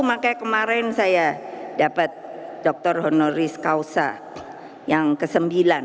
makanya kemarin saya dapat dokter honoris causa yang ke sembilan